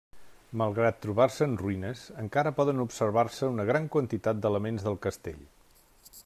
Malgrat trobar-se en ruïnes, encara poden observar-se una gran quantitat d'elements del castell.